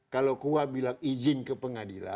kalau kuah bilang izin ke pengadilan